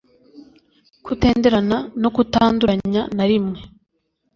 Kutenderana no kutanduranya na rimwe